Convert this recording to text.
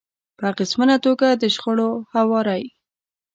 -په اغیزمنه توګه د شخړو هواری